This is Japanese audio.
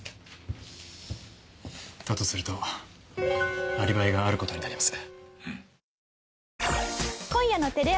だとするとアリバイがある事になります。